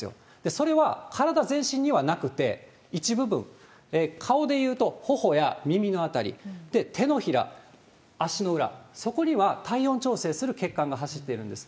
それは体全身にはなくて、一部分、顔でいうと、ほほや耳の辺り、手のひら、足の裏、そこには体温調整する血管が走っているんです。